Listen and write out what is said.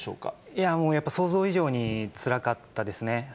いやもう、やっぱ想像以上につらかったですね。